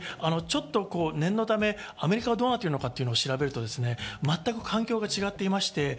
念のためアメリカがどうなっているか調べると、全く環境が違っていまして。